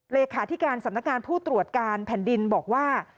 เลขาธิการสำนักงานผู้ตรวจการแผ่นดินบอกว่า